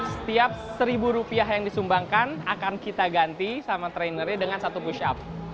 setiap seribu rupiah yang disumbangkan akan kita ganti sama trainernya dengan satu push up